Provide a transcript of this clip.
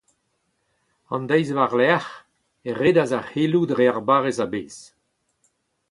An deiz war-lerc’h e redas ar c’heloù dre ar barrez a-bezh.